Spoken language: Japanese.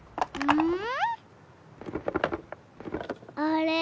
うん？